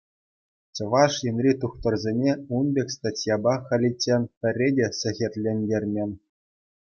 Чӑваш Енри тухтӑрсене ун пек статьяпа халиччен пӗрре те сехӗрлентермен.